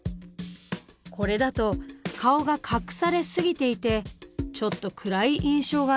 これだと顔が隠され過ぎていてちょっと暗い印象がありませんか？